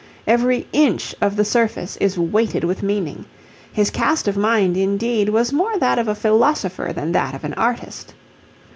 Every inch of the surface is weighted with meaning. His cast of mind, indeed, was more that of a philosopher than that of an artist.